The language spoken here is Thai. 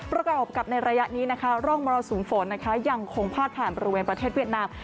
แล้วก็ออกกับในระยะนี้นะคะโรงมรสูงฝนนะคะยังคงพัดผ่านบริเวณประเทศเวียดนาม